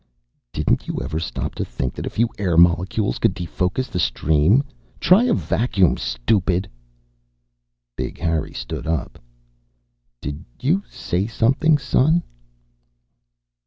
"Didn't you ever stop to think that a few air molecules could defocus the stream? Try a vacuum, stupid." Big Harry stood up. "Did you say something, son?"